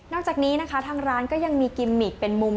จากนี้นะคะทางร้านก็ยังมีกิมมิกเป็นมุม